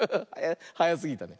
はやすぎたね。